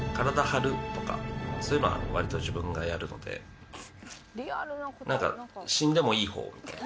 そういうのは割と自分がやるのでなんか死んでもいい方みたいな。